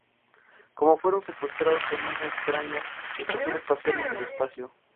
Como fueron secuestrados en una extraña estación espacial en el espacio.